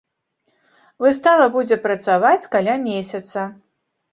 Выстава будзе працаваць каля месяца.